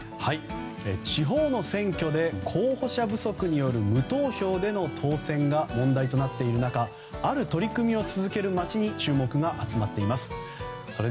地方の選挙で候補者不足による無投票での当選が問題となっている中ある取り組みを続ける町に注目が集まっています。